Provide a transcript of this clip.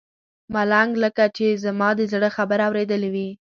ملنګ لکه چې زما د زړه خبره اورېدلې وي.